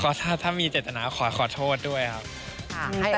เพราะว่าถ้ามีเจตนาขอโทษด้วยครับ